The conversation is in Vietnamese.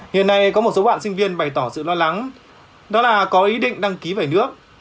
hiện nay có một số bạn sinh viên bày tỏ sự lo lắng đó là có ý định đăng ký vẩy nước